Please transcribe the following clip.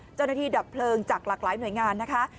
เจ้าหน้าที่ดับเพลิงจากหลากหลายหน่วยงานนะคะ